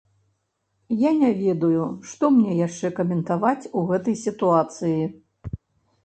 Я не ведаю, што мне яшчэ каментаваць у гэтай сітуацыі.